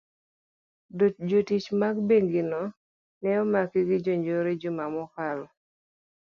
jotich mag bengi no ne omaki gi jonjore juma mokalo.